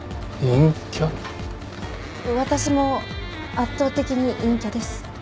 私も圧倒的に陰キャです。